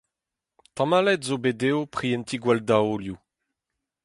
Tamallet zo bet dezho prientiñ gwalldaolioù.